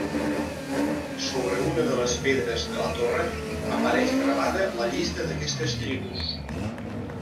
Sobre una de les pedres de la torre apareix gravada la llista d'aquestes tribus.